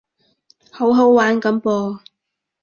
好好玩噉噃